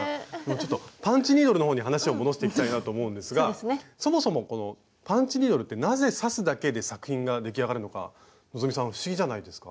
ちょっとパンチニードルのほうに話を戻していきたいなと思うんですがそもそもこのパンチニードルってなぜ刺すだけで作品が出来上がるのか希さん不思議じゃないですか？